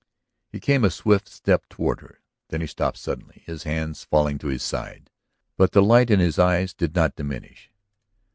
He came a swift step toward her. Then he stopped suddenly, his hands falling to his sides. But the light in his eyes did not diminish.